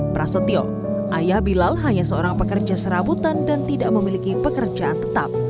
prasetyo ayah bilal hanya seorang pekerja serabutan dan tidak memiliki pekerjaan tetap